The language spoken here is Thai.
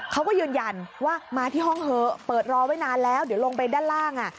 เขาก็ยืนยันว่ามาที่ห้องเถอะเปิดรอไว้นานแล้วเดี๋ยวลงไปด้านล่าง